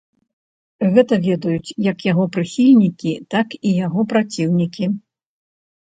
Гэта ведаюць як яго прыхільнікі, так і яго праціўнікі.